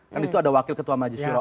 kan disitu ada wakil ketua majelis suro